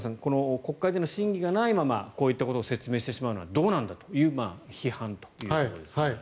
国会での審議がないままこういったことを説明してしまうのはどうなんだという批判ということです。